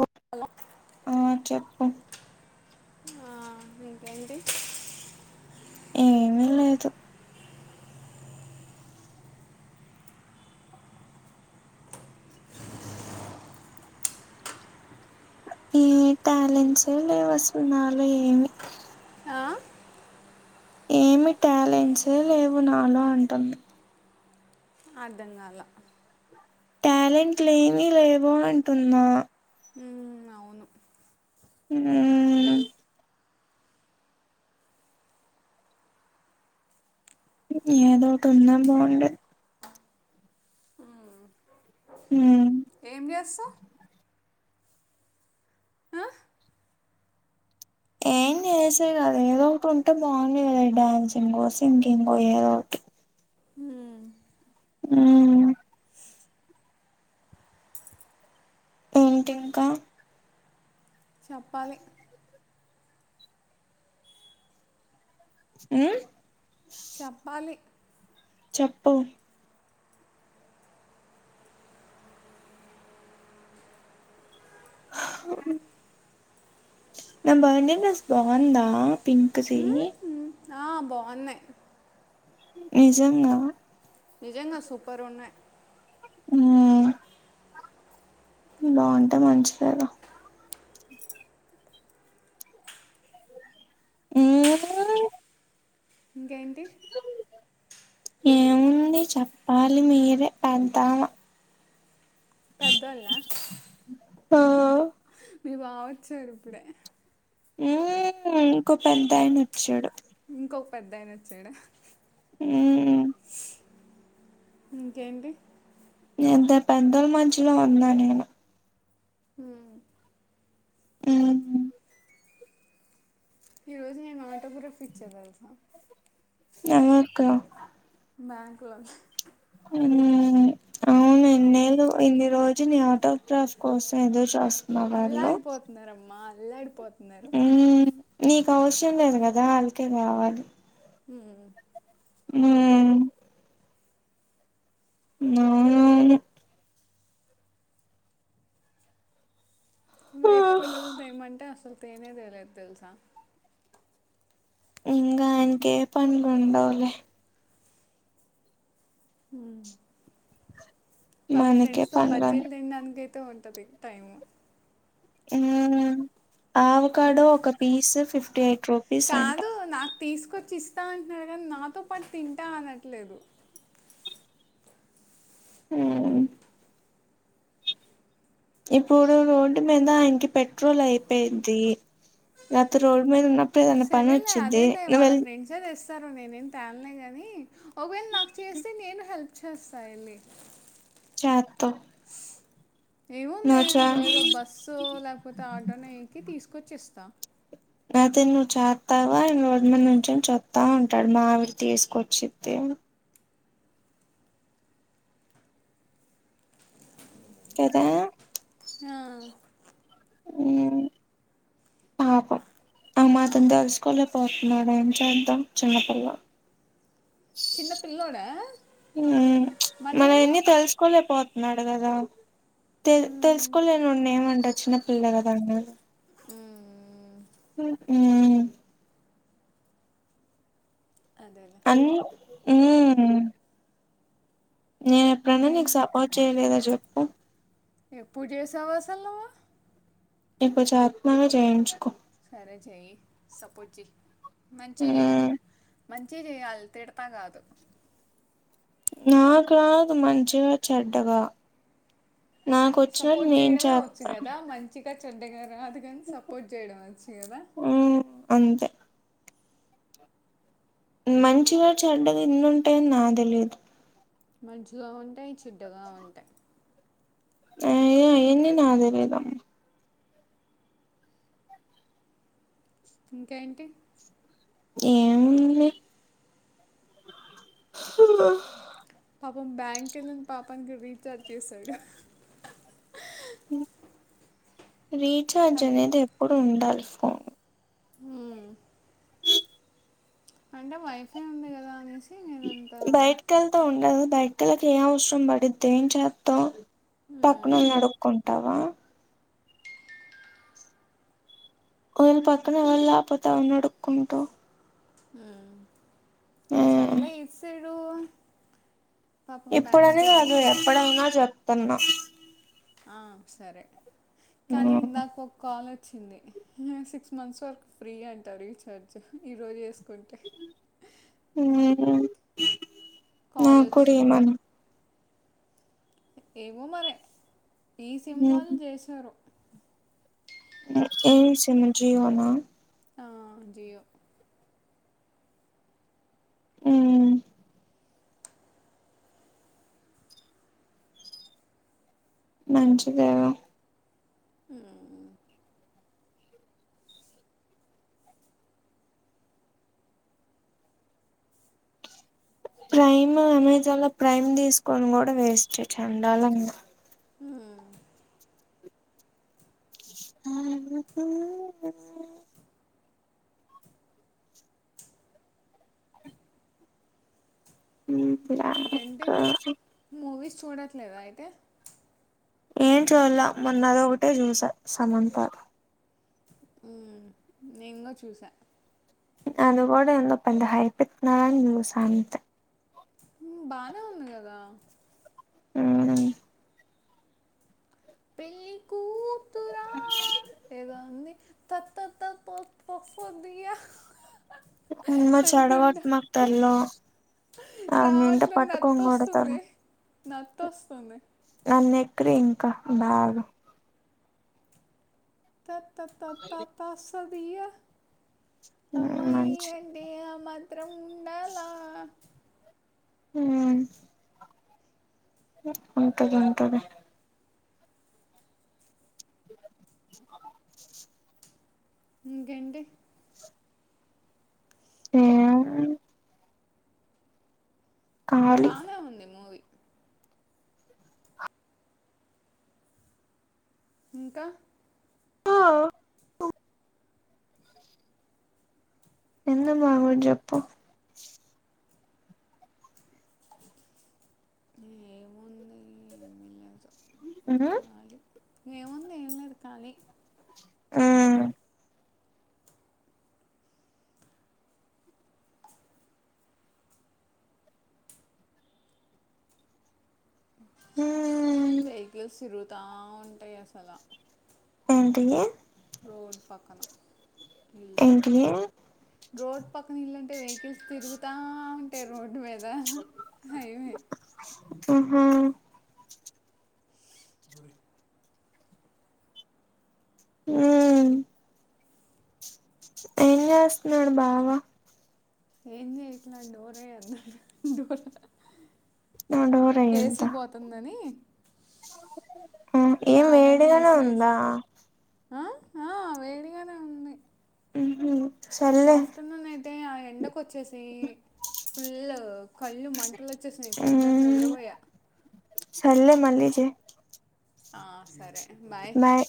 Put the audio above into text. ఓ hello ఆ చెప్పు ఆ ఇంకేంటి ఏమి లేదు ఏ టాలెంట్స్ లేవు అసలు నాలో ఏమి ఆ ఏమి టాలెంట్స్ లేవు నాలో అంటున్న అర్ధం కాలా టాలెంట్లు ఏమి లేవు అంటున్న ఉమ్ అవును ఉమ్ ఏదో ఒకటి ఉన్నా బాగుండేది ఉమ్ ఏం చేస్తావ్ ఆ, ఏం చేసే కదా ఏదో ఒకటి ఉంటే బాగున్ను కదా డాన్సింగ్ సింగింగ్ ఏదో ఒకటి ఉమ్ ఉమ్ ఏంటి ఇంకా చెప్పాలి ఉమ్మ్ చెప్పాలి చెప్పు హ నా బర్త్డే డ్రెస్ బావుందా పింక్ది మ్మ్, ఆ బాగుంది నిజంగా నిజంగా సూపర్ ఉన్నయి ఉమ్ బావుంటే మంచిదే గా ఉమ్ ఇంకేంటి ఏముంది చెప్పాలి మీరే పెద్దమా పెద్దొల్ల ఆ మీ బావొచ్చారు ఇప్పుడే ఉమ్మ్ ఇంకో పెద్ద ఆయినొచ్చాడు ఇంకొ పెద్దయినొచ్చాడ ఉమ్మ్ ఇంకేంటి ఎంత పెద్దొల్ మద్యలో ఉన్నాను నేను. ఉ మ్ ఈరోజు నేను ఆటోగ్రాఫ్ ఇచ్చా తెల్సా. ఎందక్కా బ్యాంక్లో. ఊఊ అ అవును ఇన్నెళ్ళు ఇన్ని రోజులు నీ ఆటోగ్రాఫ్ కోసం ఎదురు చూస్. అల్లాడిపోతున్నారమ్మా అల్లాడిపోతున్నారు. మ్మ్ నీకు అవసరం లేదు గదా అందుకే కావాలి. మ్మ్, అదే మ్మ్ అవునవును వేప పూలు తేమంటే అసలు తేనే తేలేదు తెలుసా ఇంగా ఆయనకి ఏ పనులుండవులే. హ్మ్ వాళ్ళ మనకే ఫ్రెండ్స్ తో పనులు ఉం బజ్జీలు తినడానికైతే ఉంటది టైమ్ ఊ ఆవకాడో ఒక పీస్ ఫిఫ్టీ ఎయిట్. రూపీస్ అంట కాదు నాకు తీసుకొచ్చి ఇస్తా అంటున్నాడు గాని నాతో పాటు తింటా అనట్లేదు. ఊ ఇప్పుడు రోడ్డు మీద ఆయన్కి పెట్రోల్ అయిపోయిద్ది నాతో రోడ్డు మీద ఉన్న. సరేలే అదేలే వాళ్ళ ఫ్రెండ్స్. తెస్తారు నేనేం తేన్లే గానీ ఒకవేళ నాకు చేస్తే నేను హెల్ప్ చేస్తా ఎల్లి చేత్త. ఏముందే ఏదో బస్సు లేక కపోతే ఆటొనో ఎక్కి తీసుకొచ్చేస్తా. ఐతే నువ్వు చేత్తావా రోడ్ మీద నుంచొని చూత్తా ఉంటాడు మా ఆవిడి తీసుకొచ్చిది. కదా ఆ ఊ పాపం ఆ మాత్రం తెలుసుకోలేకపోతున్నాడు ఏం చేద్దాం చిన్నపిల్ల చిన్న పిల్లోడా. మన మరి ఆ నేను యన్ని తెలుసుకోలేపోతున్నాడు గదా తె మ్మ్. తెలుసుకోలే నన్నెమంటవ్ చిన్న పిల్ల గదా అన్న మ్మ్. ఊ అదేలేే మ్ హుమ్మ్ నేను ఎప్పుడైన ఇంకేం నీకు సపోర్ట్ చేయలేదా చెప్పు. ఎప్పుడు చేసావు అసలు నువ్వు. ఇపుడు చెప్తున్నాను గా చేయించుకో. సరే చెయి సపోర్ట్ చెయ్ మంచిగ చెయ్ మ్మ్ మంచిగ చేయాలే తిడతా గాదు. నక్రాదూ మంచిగా చెడ్డగా. నాకు వచ్చినట్టు సపోర్ట్ నేను చేయడమే వచ్చు చేత్తా గదా మంచిగా చెడ్డగా రాదు గనీ సపోర్ట్ చేయడం వచ్చు గదా. మ్మ్ అంతే. మంచిగా చెడ్డగా ఇన్ను ఉంటయని నాదెలియదు మంచిగా ఉంటాయి చెడ్డగా ఉంటాయి ఆయన్ని ఎన్ని నాకు తెలియదమ్మ ఇంకా ఏంటి ఏం పాపం బ్యాంక్ ఎళ్ళని పాపానికి రీఛార్జ్ చేసాడు రీచార్జ్ హలో అనేది ఎప్పుడు ఉండాలి ఫోన్ ఉమ్ అంటే వైఫై ఉంది కదా అనేసి నేను అంత బయటికెళ్తే ఉండదు బయటకెళ్తే ఏం అవసరం పడిద్ది ఏం చేత్తవ్ మ్మ్. పక్కనోళ్ళని నడుకుంటావ ఓవల పక్కన వళ్ళు లేపోతే ఎవల్ని అడుక్కుంటావ్ ఉమ్ మ్మ్ సర్లే ఇటు సైడు పాపం బ్యాంకే వెల్ ప్పుడే ఉన్నా చెబుతున్న ఆ సరే కానీ మ్మ్ ఇందాక ఒక కాల్ వచ్చింది సిక్స్ మంత్స్ వరకు ఫ్రీ అంటా రీఛార్జ్ ఈరోజు ఏసుకుంటే ఉమ్ కాల్ వచ్చింది ఏమో మరే ఈ సిమ్ వాళ్లు మ్మ్ చేశారు నీద్ ఏం సిమ్ము జియో నా ఆ జియో ఉమ్ మంచిదేగ ఉమ్ ప్రైమ్ అమెజాన్ లో ప్రైమ్ తీసుకొని కూడా వేస్టే చెండాలంగ ఉమ్ ఆ ఆ ఊ ఇంకేంటి మూవీస్ చూడట్లేదా అయితే ఏం చూల్లే మొన్నదొకటే చూస సమంతాది ఉమ్ నెంగు చూసా అది గూడ ఏందో పెద్ద హైపిత్తున్నరని చూసా ఉం బానే ఉంది కదా ఊ పెళ్ళి కూతురా ఏదో ఉంది త త త త తస్సదియా అమ్మ అనుకుంట చెడగొట్టమాకు నన్నింట రావట్లే పట్టుకొని కొడతారు నత్తొస్తుంది నత్తోస్తుంది నన్న ఎక్కిరియి ఇంకా బాగ తత తత తసదియా ఉమ్ మంచిది టే ఆ మాత్రం ఉండాల ఊ ఉంటది ఉంటది ఇంకేంటి? ఏం లేదు. ఖాళీ బానే ఉంది మూవీ. ఇంకా ఆ ఉ ఎందుకు బాగోదు చెప్పు. ఏముంది ఏమి లేదు. ఖాలీ ఏముంది ఏం లేదు ఖాలీ. ఆ వెహికిల్స్ తిరుగుతా ఉంటయి అసలా. ఏంటియి? రోడ్ పక్కన ఏంటి ఇల్లుంటయి. రోడ్ పక్కన ఇళ్ళంటే వెహికల్స్ తిరుగుతా ఉంటాయి రోడ్డు మీద హైవే. ఆహా గురి ఉ ఏం జేస్తున్నాడు బావా. ఏం చేయట్లే ఆ డోరై అన్నా డోర్ నా ఏసీ బోత ఉంటుందని. అ ఏం వేడిగనే ఉందా? అ హా వేడిగనే ఉంది. టెంపులు ఆఫ్టర్నూనూనైతే ఆ ఎండకొచ్చేసి తే ఫుల్ కళ్ళు మంటలొచ్చేసినయి కొంచెం సేపు నిద్రపోయా. సర్లే మళ్ళీ చేయి. ఆ సరే బాయ్